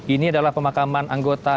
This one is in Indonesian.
ini adalah pemakaman anggota